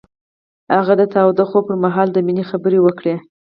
هغه د تاوده خوب پر مهال د مینې خبرې وکړې.